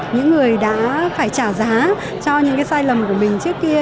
những người đã phải trả giá cho những cái sai lầm của mình trước kia